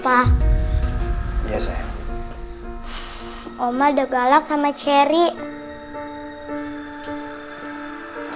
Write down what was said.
udah galak sama cherry